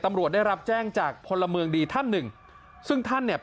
ตำรวจได้รับแจ้งจากพลมดีท่าน๑ซึ่งท่านเนี่ย